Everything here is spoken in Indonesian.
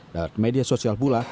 dari media sosial pula